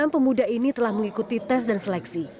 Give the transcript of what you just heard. satu ratus tiga puluh enam pemuda ini telah mengikuti tes dan seleksi